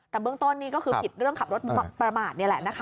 แต่เบื้องต้นนี่ก็คือผิดเรื่องขับรถประมาทนี่แหละนะคะ